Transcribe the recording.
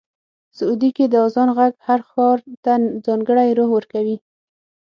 سعودي کې د اذان غږ هر ښار ته ځانګړی روح ورکوي.